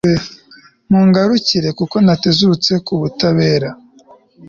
mungarukire, kuko ntatezutse ku butabera